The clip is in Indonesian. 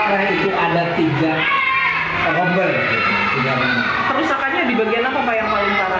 perusakannya di bagian apa yang paling parah